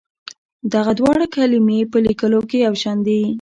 دغه دواړه کلمې په لیکلو کې یو شان دي.